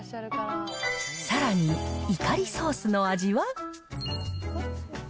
さらに、イカリソースの味は？